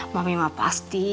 mami mah pasti